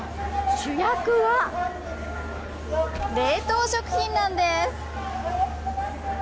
主役は冷凍食品なんです。